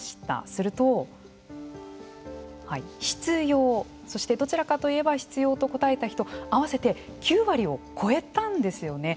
すると「必要」そして「どちらかと言えば必要」と答えた人９割を超えたんですよね。